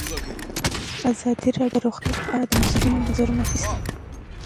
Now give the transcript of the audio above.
ازادي راډیو د روغتیا په اړه د مسؤلینو نظرونه اخیستي.